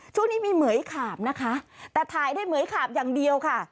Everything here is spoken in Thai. ช่วงนี้มีเหมือยขาบนะคะแต่ถ่ายได้เหมือยขาบอย่างเดียวค่ะ